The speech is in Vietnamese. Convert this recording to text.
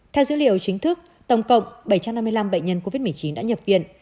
theo dữ liệu chính thức tổng cộng bảy trăm năm mươi năm bệnh nhân covid một mươi chín đã nhập viện